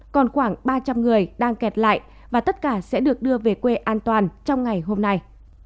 còn khoảng ba trăm linh người đang kẹt lại và tất cả sẽ được đưa về quê an toàn trong ngày hôm nay